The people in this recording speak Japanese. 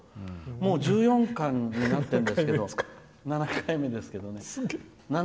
もう１４巻に入ってるんですけど７回目ですけどね